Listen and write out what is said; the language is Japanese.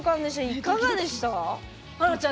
いかがでしたか？